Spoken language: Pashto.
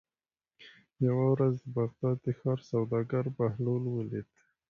یوه ورځ د بغداد د ښار سوداګر بهلول ولید.